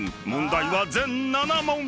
［問題は全７問］